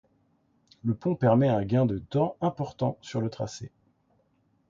Le pont permet un gain de temps important sur le tracé.